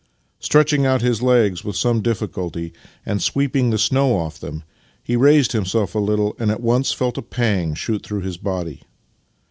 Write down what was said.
Stretching out his legs with some difficulty and sweeping the snow off them, he raised himself a little, and at once felt a pang shoot through his body.